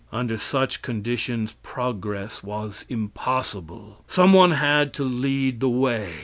Under such conditions progress was impossible. Some one had to lead the way.